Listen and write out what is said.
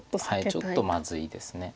ちょっとまずいです。